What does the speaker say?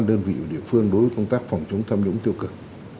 đơn vị và địa phương đối với công tác phòng chống tham nhũng tiêu cực